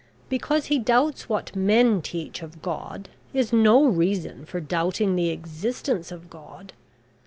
Because he doubts what men teach of God, is no reason for doubting the existence of God.